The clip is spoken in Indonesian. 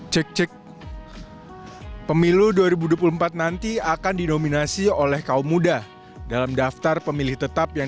cek cek pemilu dua ribu dua puluh empat nanti akan dinominasi oleh kaum muda dalam daftar pemilih tetap yang